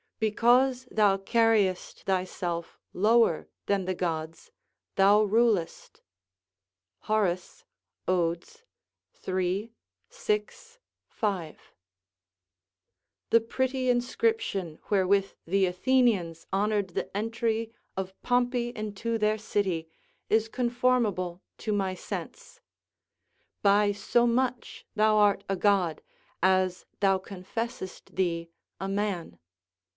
["Because thou carriest thyself lower than the gods, thou rulest." Horace, Od., iii. 6, 5.] The pretty inscription wherewith the Athenians honoured the entry of Pompey into their city is conformable to my sense: "By so much thou art a god, as thou confessest thee a man."